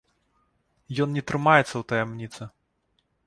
Ён не трымаецца ў таямніцы.